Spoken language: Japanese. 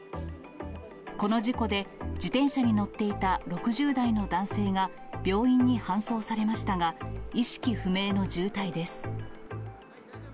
この事故で自転車に乗っていた６０代の男性が病院に搬送されましたが、意識不明の重体です。